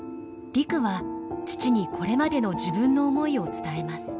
陸は父にこれまでの自分の思いを伝えます。